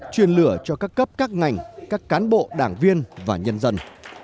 chuyên lửa cho các cấp các ngành các cán bộ đảng viên và nhân dân